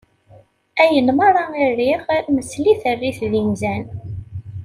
Ayen merra i riɣ msel-it err-it d inzan.